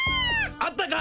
あったか？